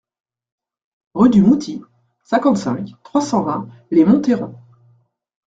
Rue du Mouty, cinquante-cinq, trois cent vingt Les Monthairons